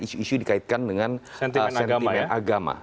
isu isu dikaitkan dengan sentimen agama